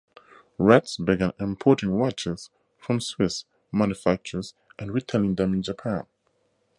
Retz began importing watches from Swiss manufactures and retailing them in Japan.